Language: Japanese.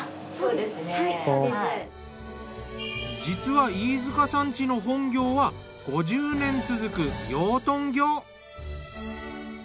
実は飯塚さん家の本業は５０年続く養豚業。